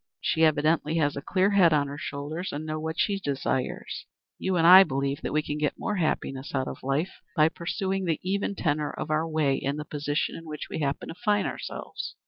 She evidently has a clear head on her shoulders and knows what she desires. You and I believe that we can get more happiness out of life by pursuing the even tenor of our way in the position in which we happen to find ourselves."